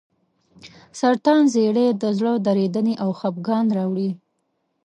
سرطان زیړی د زړه درېدنې او خپګان راوړي.